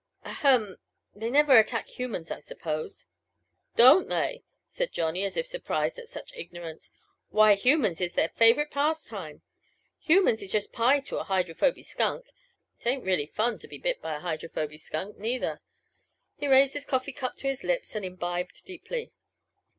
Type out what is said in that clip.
"Ahem they never attack humans, I suppose?" "Don't they?" said Johnny, as if surprised at such ignorance. "Why, humans is their favorite pastime! Humans is just pie to a Hydrophoby Skunk. It ain't really any fun to be bit by a Hydrophoby Skunk neither." He raised his coffee cup to his lips and imbibed deeply.